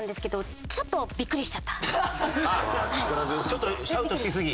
ちょっとシャウトしすぎ？